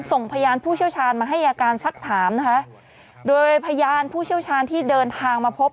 ส่งพยานผู้เชี่ยวชาญมาให้อาการสักถามนะคะโดยพยานผู้เชี่ยวชาญที่เดินทางมาพบ